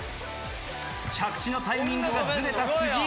着地のタイミングがずれた藤井。